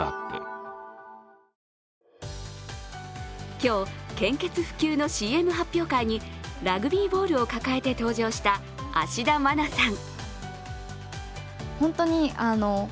今日、献血普及のＣＭ発表会にラグビーボールを抱えて登場した芦田愛菜さん